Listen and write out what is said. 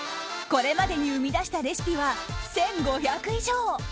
これまでに生み出したレシピは１５００以上。